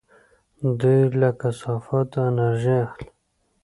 دوی له کثافاتو انرژي اخلي.